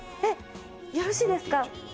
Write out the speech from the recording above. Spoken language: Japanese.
よろしいですか？